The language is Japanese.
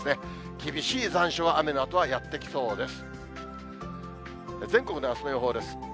厳しい残暑が雨のあとはやって来そうです。